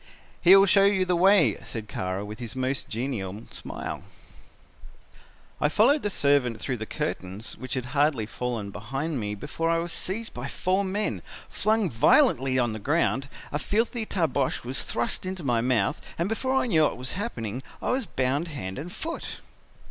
"'He will show you the way,' said Kara with his most genial smile. "I followed the servant through the curtains which had hardly fallen behind me before I was seized by four men, flung violently on the ground, a filthy tarbosch was thrust into my mouth and before I knew what was happening I was bound hand and foot.